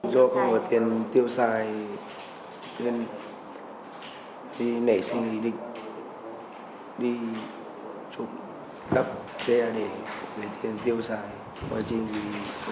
do không có tiền tiêu xài nên đi nảy sinh ý định đi trộm cắp xe để tiền tiêu xài